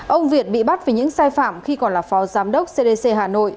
ông việt bị bắt vì những sai phạm khi còn là phó giám đốc cdc hà nội